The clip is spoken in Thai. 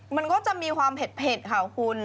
มันก็จะมีความเผ็ดค่ะคุณ